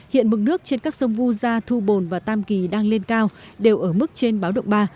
hiện mực nước trên các sông vu gia thu bồn và tam kỳ đang lên cao đều ở mức trên báo động ba